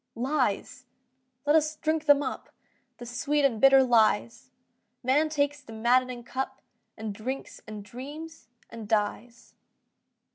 Lies!—let us drink them up, The sweet and bitter lies! Man takes the maddening cup And drinks and dreams and dies.